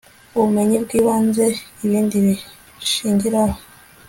ubumenyi bw'ibanze ibindi bishingiraho